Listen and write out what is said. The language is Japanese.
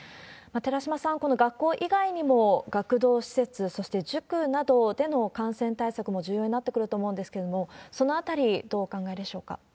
寺嶋さん、この学校以外にも学童施設、そして塾などでの感染対策も重要になってくると思うんですけれども、そのあたり、どうお考えでしょうか？